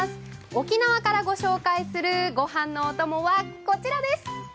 沖縄からご紹介するごはんのおともはこちらです。